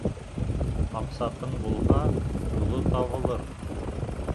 Маҡсатың булһа, юлы табылыр.